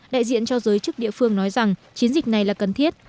đại diện cho giới chức địa phương nói rằng chiến dịch này là cần thiết